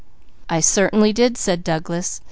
"I certainly did," said Douglas.